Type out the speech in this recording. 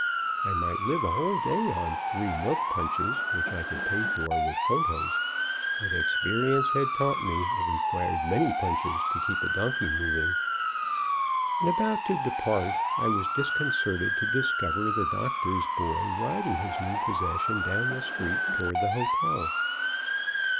I might live a whole day on three milk punches which I could pay for with photos, but experience had taught me it required many punches to keep a donkey moving. When about to depart, I was disconcerted to discover the doctor's boy riding his new possession down the street toward the hotel.